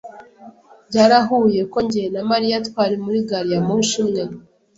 Byarahuye ko njye na Mariya twari muri gari ya moshi imwe.